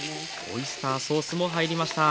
オイスターソースも入りました。